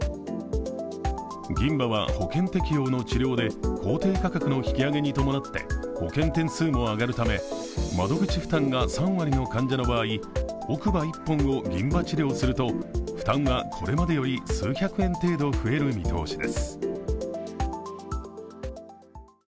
銀歯は保険適用の治療で公定価格の引き上げに伴って保険点数も上がるため、窓口負担が３割の患者の場合奥歯１本を銀歯治療すると負担はこれまでより数百円程度増える見通しです。